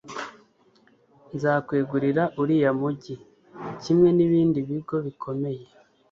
nzakwegurira uriya mugi kimwe n'ibindi bigo bikomeye